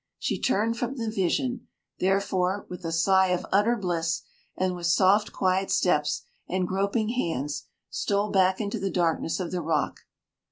She turned from the vision, therefore, with a sigh of utter bliss, and with soft quiet steps and groping hands stole back into the darkness of the rock.